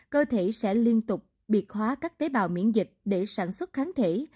cơ thể sẽ liên tục biệt hóa các tế bào miễn dịch để sản xuất kháng thể